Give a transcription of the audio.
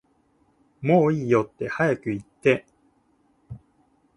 もういいよって早く言って